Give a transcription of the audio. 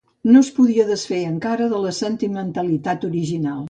No es podia desfer encara de la sentimentalitat original